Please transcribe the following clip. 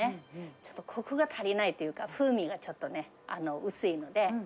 ちょっとこくが足りないというか、風味がちょっとね、薄いので。